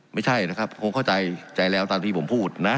ไม่ใช่นะครับคงเข้าใจใจแล้วตามที่ผมพูดนะ